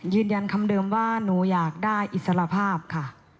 ยืนยันคำเดิมว่าหนูอยากได้อิสรภาพค่ะ